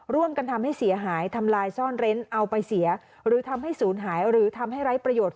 ทำให้เสียหายทำลายซ่อนเร้นเอาไปเสียหรือทำให้ศูนย์หายหรือทำให้ไร้ประโยชน์